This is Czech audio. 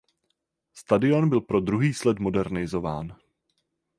Stadion byl pro druhý slet modernizován.